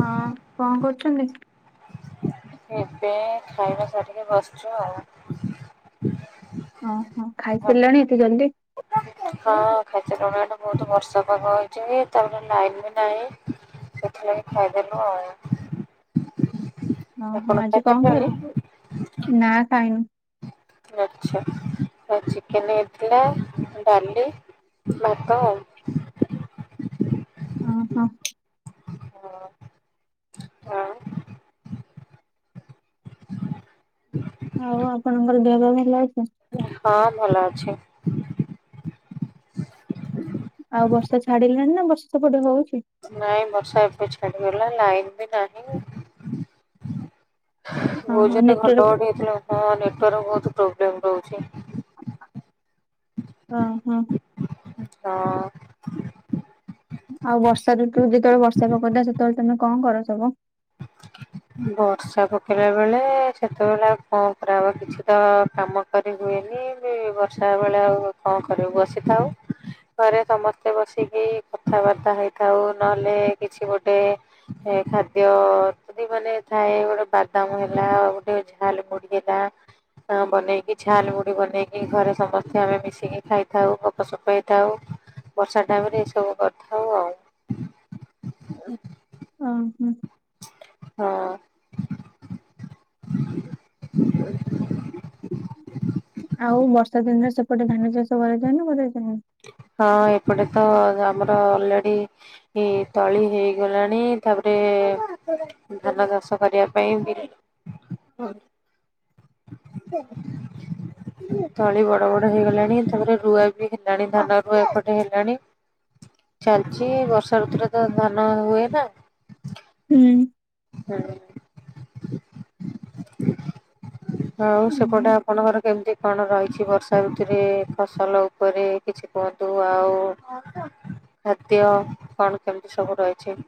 ହଁ କଣ କରୁଛନ୍ତି? ଏବେ ଖାଇବା ସାରିକି ବସିଛୁ ଆଉ । ଓ ହୋ ଖାଇ ସାରିଲଣି ଏତେ ଜଲଦି । ହଁ ଖାଇ ସାରିଲୁଣି ଇଆଡ଼େ ବହୁତ ବର୍ଷା ପ୍ରବଳ ହେଇଛି ତାପରେ ଲାଇନ ବି ନାହିଁ । ସେଥିଲାଗି ଖାଇ ଦେଲୁ ଆଉ । ଓ ହୋ ଆଜି କଣ ଖାଇସାରିଲେଣି? ଖାଇଲେ ନା ଖାଇଁନୁ । ଆଛା ଆଜି ଚିକେନ ହେଇଥିଲା, ଡାଲି । ଭାତ ଆଉ । ଓ ହୋ । ହଁ ହଁ । ଆଉ ଆପଣଙ୍କର ଦେହ ପା ଭଲ ଅଛି? ହଁ ଭଲ ଅଛି। ଆ ବର୍ଷା ଛାଡିଲାଣି ନା ବର୍ଷା ସେପଟେ ହଉଛି । ନାଇଁ ବର୍ଷା ଏବେ ଛାଡିଗଲା ଲାଇନ ବି ନାହିଁ । ବହୁତ ଓହୋ ଜୋର ରେ ନେଟୱାର୍କ ଘଡଘଡି ହେଇଥିଲା ହଁ ନେଟୱର୍କ ବହୁତ । ପ୍ରୋବ୍ଲେମ ରହୁଛି । ଓହୋ ହଁ । ଆଉ ବର୍ଷା ଋତୁ ଯେତେ ବେଳେ ବର୍ଷା ପକଉ ଥାଏ ସେତେ ବେଳେ ତମେ କଣ କର ସବୁ । ବର୍ଷା ପକେଇଲା ବେଳେ ସେତେବେଳେ କଣ କରାହବ କିଛି ତ କାମ କରିବୁ ହୁନି ବର୍ଷା ବେଳେ ଆଉ କଣ କରିବୁ ବସିଥାଉ? ପରେ ସମସ୍ତେ ବସିକି କଥାବାର୍ତ୍ତା ହେଇଥାଉ ନହେଲେ କିଛି ଗୋଟେ ଖାଦ୍ୟ ଦି ମାନେ ଥାଏ ଗୋଟେ ବାଦାମ ହେଲା, ଆଉ ଗୋଟେ ଝାଲମୁଡି ହେଲା, ଆ ବନେଇକି ଝାଲ ମୁୁଡି ବନେଇକି ଘରେ ସମସ୍ତେ ଆମେ ମିଶିକି ଖାଇଥାଉ ଗପସପ ହୋଇଥାଉ। ବର୍ଷା ଟାଇମ ରେ ଏ ସବୁ କରିଥା ହଉ ଆଉ। ହଁ ହୁଁ। ହଁ। [inaudible] [inaudible] ଗୋଟେ ଧାନ ଚାଷ କରାଯା ନା ଗୋଟେ ହଁ। ଏପଟେ ତ ଆମର ଅଲରେଡି ତଳି ହେଇଗଲାଣି, ତାପରେ ଧାନ ଚାଷ କରିବା ପାଇଁ ବି ତଳି ବଡ ବଡ ହେଇଗଲାଣି ତାପରେ ରୁଆ ବି! ରୁଆରୁଅ ଏପଟେ ହେଲାଣି। ଚାଲିଚ ବର୍ଷା ଋତୁରେ ତ ଧାନ ହୁଏ ନା! ହୁଁ। ହୁଁ। [unintelligible] ଆଉ ଉହୁଁ ସେପଟେ ଆପଣଙ୍କର କେମିତି କଣ ରହିଛି? ବର୍ଷା ଋତୁରେ ଫସଲ ଉପରେ କିଛି କୁହନନ୍ତୁ ଆଉ ଖାଦ୍ୟ କଣ କେମିତି ସବୁ ରହିଛି?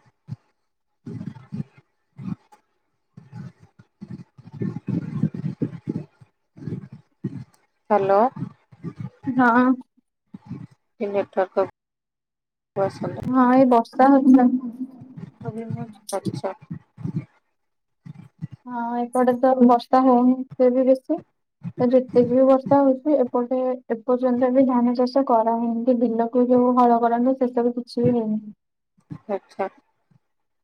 [unintelligible] ଆ [unintelligible] ହ୍ୟାଲୋ! ହଁ। [unintelligible] ଆସନ୍ତୁ ହଁ ଏଇ ବର୍ଷା ହଉଛି। ଆଚ୍ଛା ହଁ ଏପଟେ ତ ବର୍ଷା ହଉନି ସେ ବି ବେଶୀ ଯେତିକି ବି ବର୍ଷା ହଉଛି ପଟେ ଏପର୍ଯ୍ୟନ୍ତ ବି ଧାନ ଚାଷ କରାନ୍ତି ବିଲକୁ ଯୋଉ ହଳ କରନ୍ତି। ସେ ସବୁ କିଛି ବି ହେଇନି ଆଚ୍ଛା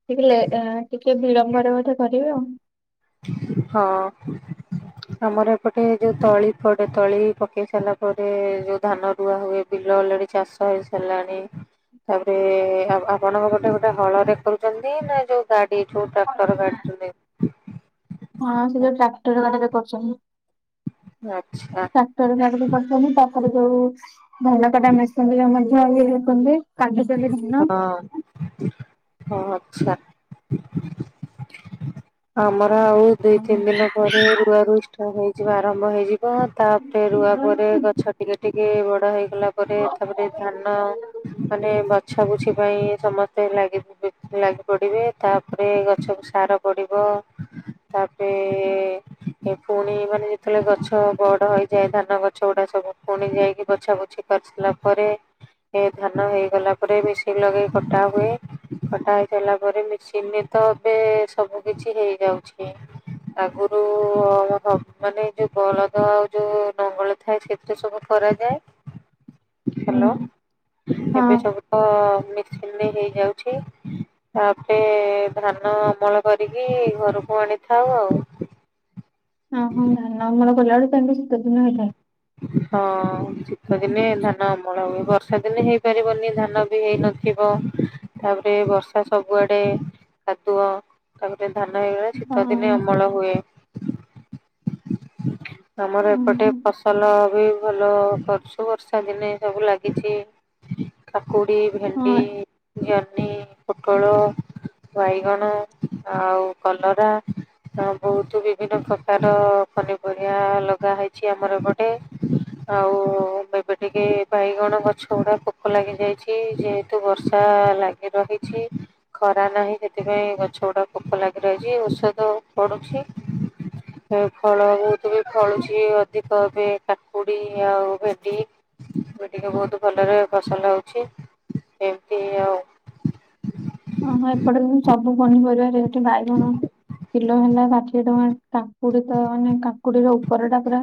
ଟିକେ ଲେଟ ଟିକେ ବିଳମ୍ବରେ ବୋଧେ କରିବେ ଆଉ। ହଁ। ଆମର ଏପଟେ ଯୋଉ ତଳି ପଡେ ତଳି ପକେଇ ସାରିଲା ପରେ ଯୋଉ ଧାନ ରୁଆ ହୁଏ ବିଲ ଅଲରେଡି ଚାଷ ହେଇସାରିଲାଣି। ତାପରେ ଆପଣଙ୍କ ଗୋଟେ ଗୋଟେ ହଳ ରେ କରୁଛନ୍ତି ନା ଯୋଉ ଗାଡି ସେଇଠୁ ଟ୍ରାକ୍ଟର କାଟଛନ୍ତି? ହଁ, ସେ ଯୋଉ ଟ୍ରାକ୍ଟର ଗାଡ଼ିରେ କରୁଛନ୍ତି। ଆଚ୍ଛା ଟ୍ରାକ୍ଟର ଗାଡ଼ିରେ କରୁଛନ୍ତି । ତାପରେ ଯୋଉ ଧାନ କଟାମଛନ୍ତି ଯୋଉମାନେ ହ ବି ଖଣ୍ଡଲେ ନିନ [unintelligible] ହଁ ହଁ, ଆଛା ଆମର ଆଉ ଦୁଇ ହୁଁ ତିନି ଦିନ ପରେ ରୁଆ ରୁ ଷ୍ଟାର୍ଟ ହେଇଯିବ ଆରମ୍ଭ ହେଇଯିବ। ତାପରେ ରୁଆ ପରେ ଗଛ ଟିକେ ଟିକେ ବଡା ହେ ଲା ପରେ ହଁ ତାପରେ ଧାନ ମାନେ ବଛା ବଛି ପାଇଁ ସମସ୍ତେ ଲାଗି ଲାଗିପଡ଼ିବେ ତାପରେ ଗଛକୁ ସାର ପଡ଼ିବ ତାପରେ ପୁଣି ମାନେ ଯେତେବେଳେ ଗଛ ବଡ ହେଇଯାଏ ଧାନ ଗଛ ଗୁଡା ସବୁ ପୁଣି ଯାଇକି ବଛାବୁଛି କରିସିଲା ପରେ ଏ ଧାନ ଧାନ ହେଇଗଲା ପରେ ମେସିନ ଲଗେଇ କଟା ହୁଏ କଟା ହେଇ ସାରିଲା ପରେ ମେସିନ ରେ ତ ଏବେ ସବୁ କିଛି ହେଇଯାଉଛି। ଆଗରୁ ସ୍ବାମୀମାନେ ଯୋଉ ବଳଦ ଆଉ ଯୋଉ ନଙ୍ଗଳ ଥାଏ ସେଥିରେ ସବୁ କରାଯାଏ। ହାଲୋ ଏବେ ସବୁ ତ ମିଖିଲ ହେଇଯାଉଛି। ଆପେ ଧାନ ଅମଳ କରିକି ଘରକୁ ଆଣିଥାଉ ଆଉ। ହଁ ହଁ ନା ମୋର ଗଲା ବେଳେ ତ ଶୀତ ଦିନ ହେଇଥାଏ। ହଁ ଶୀତ ଦିନେ ଧାନ ଅମଳ ହୁଏ। ବର୍ଷା ଦିନେ ହେଇପାରିବନି ଧାନ ବି ହେଇନଥିବ। ତାପରେ ବର୍ଷା ସବୁଆଡେ କାଦୁଅ ତାପରେ ଧାନ ଘରିକା ହଁ ଶୀତ ଦିନେ ଅମଳ ହୁଏ। ଆମର ଏପଟେ ହଁ ଫସଲ ବି ଭଲ ବର୍ଷୁ ବର୍ଷା ଦିନେ ସବୁ ଲାଗିଛି। କୋଡ଼ି ଭେଣ୍ଡି ହଁ ଜହ୍ନି, ପୋଟଳ ବାଇଗଣ ଆଉ କଲରା ହଁ ବହୁତ ବିଭିନ୍ନ ପ୍ରକାର ପନିପରିବା ଲଗା ହେଇଛି ଆମର ଏ ପଟେ ଆଉ ଏବେ ଟିକେ ବାଇଗଣ ଗଛ ଗୁଡା ପୋକ ଲାଗି ଯାଇଛି ଯେହେତୁ ବର୍ଷା ଲାଗି ରହିଛି। ଖରା ନାହିଁ ସେଥିପାଇଁ ଗଛ ଗୁଡା ପୋକ ଲାଗି ରହିଛି ଔଷଧ ପଡୁଛି। ଫଳ ବହୁତ ବି ଫଳୁଛି ଅଧିକ। ଏ କାକୁଡି ଆଉ ଭେଣ୍ଡି ଏବେ ଟିକେ ବହୁତ ଭଲରେ ଫସଲ ହଉଛି ଏମିତି ଆଉ ଓ ହୋ ଏପଟେ ସବୁ ପନିପରିବାରେ ଏଠି ବାଇଗଣ କିଲୋ ହେଲା ଷାଠିଏ ଟଙ୍କା କାକୁଡି ତ ମାନେ କାକୁଡିର ଉପର ଟା ପୁରା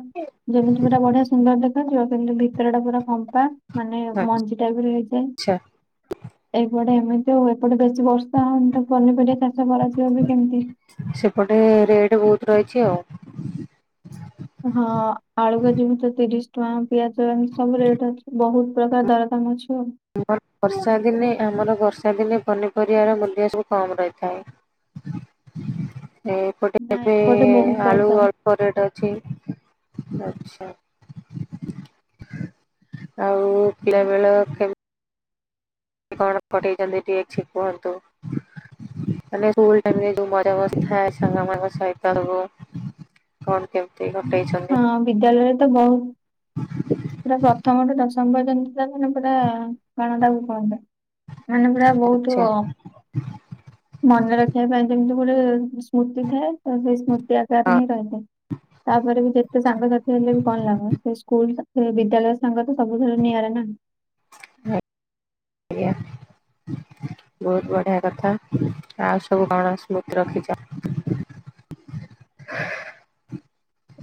ଯେମିତି ପୁରା ବଢିଆ ସୁନ୍ଦର ଦେଖା ଦେଖା ଯିବ କିନ୍ତୁ ଭିତର ଟା ପୁରା ଫମ୍ପା। ମାନେ ମଞ୍ଜି ଟା ବି ରହିଯାଏ ଆଚ୍ଛା ଏଇ କୁଆଡେ ଏମିତି ଆଉ। ଏପଟେ ବେଶି ବର୍ଷା ହଉନି ତ ପନିପରିବା ଚାଷ କରାଯିବ ବି କେମିତି। ସେପଟେ ରେଟ ବହୁତ ରହିଛି ଆଉ। ହଁ ଆଳୁକେଜି ବି ତ ତିରିଶ ଟଙ୍କା ପିଆଜ ଏମିତ ସବୁ ରେଟ ଅଛି ବହୁତ ପ୍ରକାର ଦରଦାମ ଅଛି। ଆଉ। ଆମର ବର୍ଷା ଦିନେ ଆମର ବର୍ଷା ସେଦିନେ ପନିପରିବାର ମୂଲ୍ୟ ସବୁ କମ ରହିଥାଏ। ଏ ଏପଟେ ନା ଏବେ ଏପଟେ ବହୁତ ଆଳୁ ଦରଦାମ। ଅଳ୍ପ ରେଟ ଅଛି। ଆଛା ଆଉ ପିଲାବେଳ କଣ ପଠେଇଛନ୍ତି ଟିକେ ଅଛି କୁହନ୍ତୁ? ମାନ ଏଇ ଯଉ ଟାଇମରେ ଯଉ ମଜା ମସ୍ତି ଥାଏ ସାଙ୍ଗ ମାନଙ୍କ ସହ କଣ କେଉ ହଁ ବିଦ୍ୟାଳୟରେ ତ ବହୁତ ପୁରା ପ୍ରଥମ ଠୁ ଦଶ ମା ପର୍ଯ୍ୟନ୍ତ ପୁରା କଣ ତାକୁ କୁହନ୍ତି ମାନେ ପୁରା ବହୁତ ଆଚ୍ଛା ମନେ ରଖିବା ପାଇଁ ଯେମିତି ପୁଣି ସ୍ମୃତି ଥାଏ ତ ସେଇ ସ୍ମୃତି ହଁ ଆକାରରେ ଆଜ୍ଞା ହିଁ ରହିଥାଏ। ତାପରେ ବି ଯେତେ ସାଙ୍ଗସାଥି ହେଲେ ବି କଣ ଲାଗେ ସେ ସ୍କୁଲ ସେ ବିଦ୍ୟାଳୟ ସାଙ୍ଗ ସବୁଥିର ନିଆରା ନା। ବହୁତ ବଢିଆ କଥା ଆଉ ସବୁ କଣ ସ୍ମୃତି ରଖିଛ?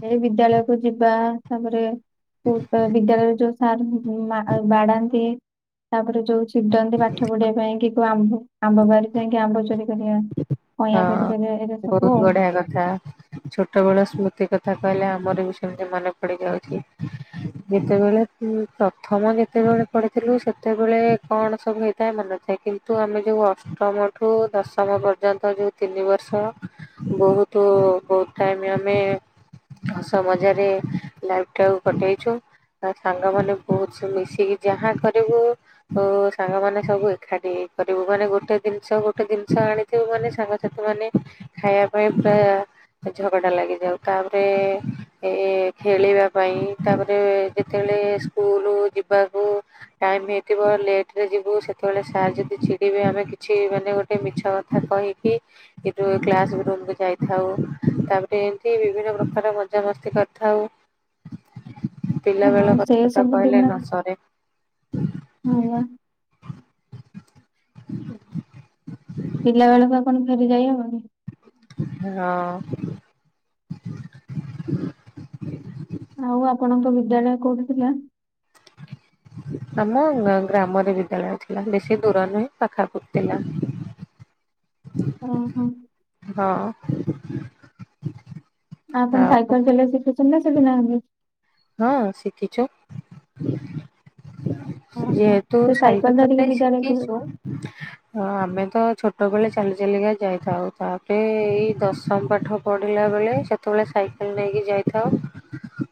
ଏଇ ବିଦ୍ୟାଳୟକୁ ଯିବା ତାପରେ ବିଦ୍ୟାଳୟରେ ଯୋଉ ସାର୍ ବାଡାନ୍ତି ତାପରେ ଯୋଉ ଚିଡନ୍ତି ପାଠ ପଢିବା ପାଇଁ କି କଉ ଆମ୍ବ ଆମ୍ବ ବାରି ପାଇଁ କି ଆମ୍ବ ଚୋରି କରିବା। ହଁ କଇଁଆ ଚୋରି କରିବା ଏଇଟା ସବୁ ବହୁତ ବଢିଆ କଥା ଛୋଟ ବେଳ ସ୍ମୃତି କଥା। ଥା କହିଲେ ଆମର ବି ସେମିତି ମନେ ପଡି ଯାଉଛି ଯେତେବେଳେ ପ୍ରଥମ ଯେତେବେ ଯେତେବେଳେ ପଢିଥିଲୁ ସେତେବେଳେ କଣ ସବୁ ହେଇଥାଏ ମନେଥାଏ କିନ୍ତୁ ଆମେ ଯଉ ଅଷ୍ଟମଠୁ ଦଶମ। ଦଶମ ପର୍ଯ୍ୟନ୍ତ ଯେଉଁ ତିନି ବର୍ଷ ବହୁତ ବହୁତ ଟାଇମ୍ ଆମେ ହସ ମଜାରେ ଲାଇଫ ଟାକୁ କଟେଇଛୁ। ଆ ସାଙ୍ଗମାନେବହୁତ ସବୁ ମିଶିକି ଯାହା କରିବୁ ସାଙ୍ଗମାନେ ସବୁ ଏକାଠି ହେଇକି। କରିବୁ ମାନେ ଗୋଟେ ଜିନିଷ ଗୋଟେ ଦିନ ମାଛ ଆଣିଥିବୁ ମାନେ ସାଙ୍ଗସାଥି ମାନେ ଖାଇବା ପାଇଁ ପୁରା ଝଗଡା ଲାଗିଯାଏ ତାପରେ ଖେଳିବା ପାଇଁ ତାପରେ ଯେତେବେଳେ ରେ ସ୍କୁଲ ଯିବାକୁ ଟାଇମ୍ ହେଇଥିବ ଲେଟରେ ଯିବୁ ସେତେବେଳେ ସାର୍ ଯଦି ଚିଡେଇ ଯଦି ଆମେ କିଛି ମାନେ ଗୋ ମିଛ କଥା କହିକି କିନ୍ତୁ କ୍ଲାସ ରୁମକୁ ଯାଇଥାଉ। ତାପରେ ଏମତି ବିଭିନ୍ନଆଡେ ପ୍ରକାର ମଜାମସ୍ତି କରିଥାଉ। ? ପିଲାବେଳ ହଁ ସେ କଥା ତ ସବୁ କହିଲେ ନ ଦିନରୁ ସରେ ହଁପା ? ପ? ପିଲା ବେଳକୁ ଆଉ କଣ ଫେରି ଯାଇ ହବନି? ହଁ। ଆଉ ଆପଣଙ୍କ ବିଦ୍ୟାଳୟ କୋଉଠି ଥିଲା? ଆମ ଗ୍ରାମରେ ବିଦ୍ୟାଳୟ ଥିଲା। ବେଶୀ ଦୂର ନୁହେଁ ପାଖାପଖି ଥିଲା। ଓ ହୋ। ହଁ। ଆପଣ ଆଉ ସାଇକେଲ ଚଲେଇ ଶିଖିଛନ୍ତି ନା ଶିଖିନାହାନ୍ତି? ହଁ ଶିଖିଛୁ। ଓହୋ ଯେହେତୁ ସେ ସାଇକେଲ ଧରିକି ଚଲେଇ ବିଦ୍ୟାଳୟ କୁ ଶିଖିଛୁ ଆମେ ତ ଛୋଟ ଛୋଟବେଳେ ଚାଲି ଚାଲିକା ଯାଇଥାଉ। ତାପରେ ଏଇ ଦଶମ ପାଠ ପଢ଼ିଲା ବେଳେ ସେତେବେଳେ ସାଇ ନେଇକି ଯାଇଥାଉ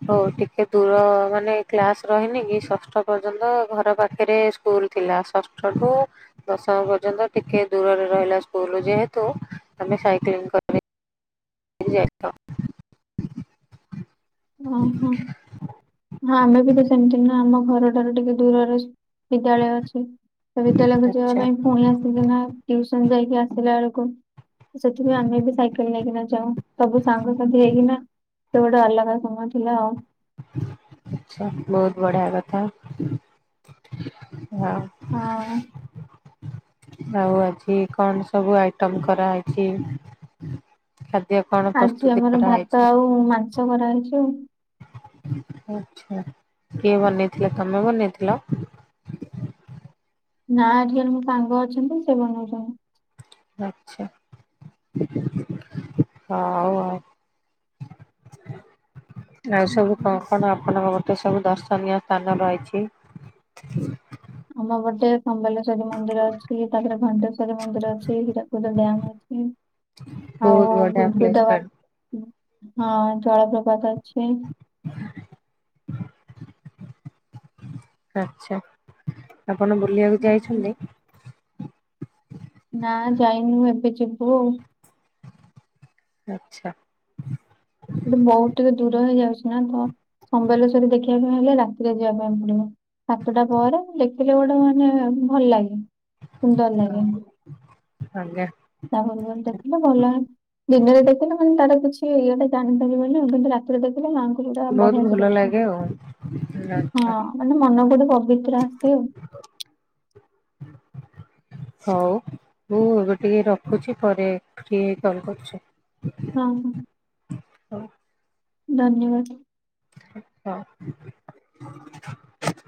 ହଉଟିକେ ଦୂର ମାନେ କ୍ଲାସ ରହିନି କି ଷଷ୍ଠ ପର୍ଯ୍ୟନ୍ତ ଘର ପାଖରେ ସ୍କୁଲ ଥିଲା। ଷଷ୍ ଷ୍ଠ ଟୁ ଦଶମ ପର୍ଯ୍ୟନ୍ତ ଟିକିଏ ଦୂରରେ ରହିଲା ସ୍କୁଲ ଯେହେତୁ ଆମେ ସାଇକେଲିଂ ସେଠିକି ଯାଇଥିଲ। ଓହୋ ହଁ ଆମେ ବି ତ ସେମିତି ନା ଆମ ଘରଠାରୁ ଟିକେ ଦୂରରେ ବିଦ୍ୟାଳୟ ଅଛି ସେ ବିଦ୍ୟାଳୟକୁୁ ଯିବା ଆଚ୍ଛା ପାଇଁ ପୁଣି ଆସିକିନା ଟିଉସନ ଯାଇକି ଆସିଲା ବେଳକୁ କ ସେଥିପାଇଁ ଆମେ ବି ସାଇକେଲ ନେଇକିନା ଯାଉ ସବୁ ସାଙ୍ଗସାଥି ହେଇକିନା ସେ ଗୋଟା ଅଲଗା ସମୟ ଥିଲା ଆଉ। ଆଛା ବହୁତ ବଢିଆ କଥା। ହଁ ହଁ ଆଉ। ଆଉ ଆଜି କଣ ସବୁ ଆଇଟମ କରାହେଇଛି ଖା ଆଜି ଆମର ଭାତ ଆଉ ମାଂସ ତରକାରି କରାହେଇଛି ଆଉ। ଆଛା କିଏ ବନେଇଥିଲା ତମେ ବନେଇଥିଲ? ନା ଏଠି ଜଣେ ମୋ ସାଙ୍ଗ ଅଛନ୍ତି ସେ ବନଉଛନ୍ତି। ଆଛା ହଉ ଆଉ। ? ଆଉ ସବୁ କଣ କଣ ଆପଣଙ୍କର ଗୋଟେ ସବୁ ଦର୍ଶନୀୟ ସ୍ଥାନ ରହିଛି? ଆମ ବଜାର ସମ୍ବଲେଶ୍ଵରୀ ମନ୍ଦିର ଅଛି। ତାପରେ ଘଣ୍ଟେଶ୍ଵରୀ ମନ୍ଦିର ଅଛି। ହୀରାକୁଦ ଡ୍ୟାମ ଅଛି। ବହୁତ ଆଉ ବଢିଆ ପ୍ଲେସ୍ ଗୁଦଗୁଦା ପାର୍କ ୱା ହଁ ଜଳପ୍ରପାତ ଅଛି। ଆଚ୍ଛା। ଆପଣ ବୁଲିବାକୁ ହଁ ଯାଇଛନ୍ତି? ନା ଯାଇନୁ ଏବେ ଯିବୁ ଆଉ। ଆଚ୍ଛା। ସେଠି ବହୁତ ଟିକେ ଦୂର ହେଇଯାଉଛି ନା ତ। ସମ୍ବଲେଶ୍ୱରୀ ଦେଖିବା ପାଇଁ ହେଲେ ରାତିରେ ଯିବା ପାଇଁ ପଡିବ। ସାତଟା ପରେ ଲେଖିଲେ ଗୋଟେ ମାନେ ଭଲ ଲାଗେ। ସୁନ୍ଦର ଲାଗେ। ଆଜ୍ଞା ତାପ ଭଲ ଦେଖିଲ ଭଲ ଦିନରେ ଦେଖିଲ ମାନେ ତାର କିଛି ସେ ଇାଣିଥିଲିବ ବୋଲି ମୁଁ କିନ୍ତୁ ରାତିରେ ଦେଖଥିଲି ମା [unintelligible] ବଢିଆ ବହୁତ ସେ ଭଲ ଦେଖିବ ଲାଗେ ଆଉ ଆଚ୍ଛା ହଁ ମାନେ ମନ ଗୋଟେ ପବିତ୍ର ଆସଛି ଆଉ ହଉ ମୁଁ ଏବେ ଟିକେ ରଖୁଛି ପରେ ଟିକେ କଲ କରୁଛି। ହଁ। ହଉ। ଧନ୍ୟବାଦ। ହଁ।